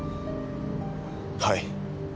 はい。